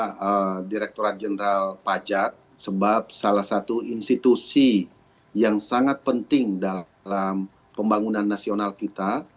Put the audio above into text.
saya direkturat jenderal pajak sebab salah satu institusi yang sangat penting dalam pembangunan nasional kita